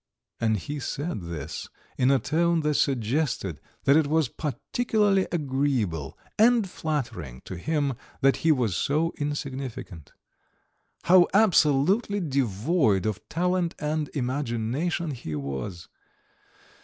And he said this in a tone that suggested that it was particularly agreeable and flattering to him that he was so insignificant. How absolutely devoid of talent and imagination he was!